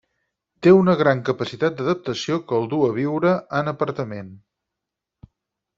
Té una gran capacitat d'adaptació que el duu a viure en apartament.